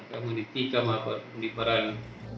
kamu ditikam apa berani